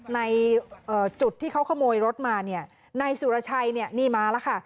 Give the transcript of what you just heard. ในจุดที่เขาขโมยรถมาเนี่ยนายสุรชัยเนี่ยนี่มาแล้วค่ะ